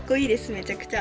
めちゃくちゃ。